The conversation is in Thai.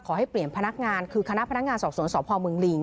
ขอให้เปลี่ยนพนักงานคือคณะพนักงานสสพมลีง